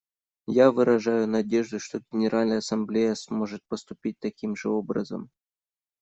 Я выражаю надежду, что Генеральная Ассамблея сможет поступить таким же образом.